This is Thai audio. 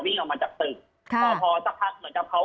วิ่งออกมาจากตึกค่ะพอพอสักครั้งเหมือนกับเขา